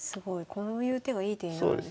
こういう手がいい手になるんですね。